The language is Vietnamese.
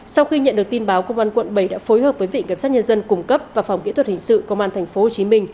sau khi nhận được tin báo công an quận bảy đã phối hợp với viện kiểm sát nhân dân cung cấp và phòng kỹ thuật hình sự công an tp hcm